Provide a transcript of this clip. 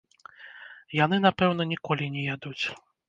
Яны, напэўна, ніколі не ядуць!